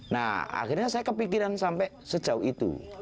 nah akhirnya saya kepikiran sampai sejauh itu